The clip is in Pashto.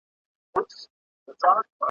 که دي ژوند و په رضا و قنا عت کي